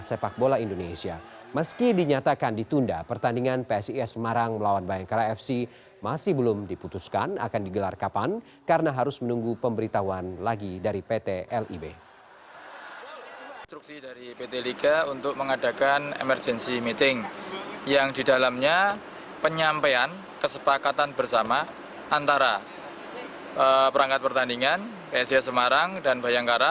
sebagai sebuah sepak bola indonesia meski dinyatakan ditunda pertandingan psis semarang melawan bayangkara fc masih belum diputuskan akan digelar kapan karena harus menunggu pemberitahuan lagi dari pt lib